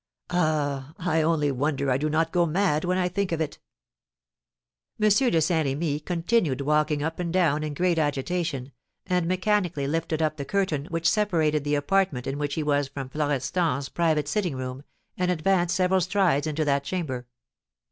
Ah, I only wonder I do not go mad when I think of it!" M. de Saint Remy continued walking up and down in great agitation, and mechanically lifted up the curtain which separated the apartment in which he was from Florestan's private sitting room, and advanced several strides into that chamber.